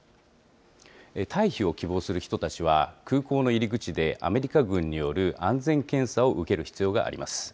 退避を希望する人たちは、空港の入り口でアメリカ軍による安全検査を受ける必要があります。